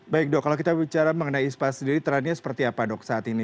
baik dok kalau kita bicara mengenai ispa sendiri trendnya seperti apa dok saat ini